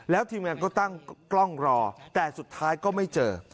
แล้วทีมงานก็ตั้งกล้องรอแต่สุดท้ายก็ไม่เจอ